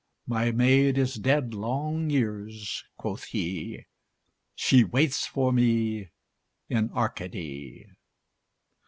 My maid is dead long years (quoth he), She waits for me in Arcady.